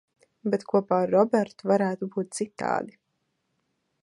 Bet kopā ar Robertu varētu būt citādi.